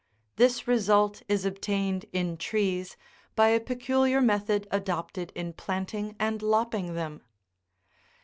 This result is obtained in trees, by a peculiar method adopted in planting and lopping them.